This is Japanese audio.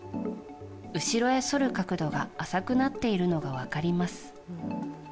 後ろへそる角度が浅くなっているのが分かります。